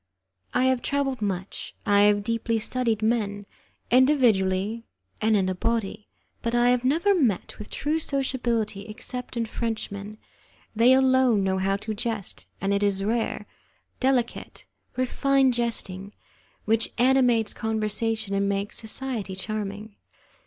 I have travelled much, I have deeply studied men, individually and in a body, but I have never met with true sociability except in Frenchmen; they alone know how to jest, and it is rare, delicate, refined jesting, which animates conversation and makes society charming.